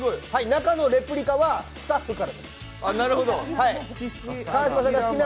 中のレプリカはスタッフからです。